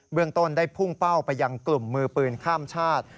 เรื่องต้นได้พุ่งเป้าไปยังกลุ่มมือปืนข้ามชาติ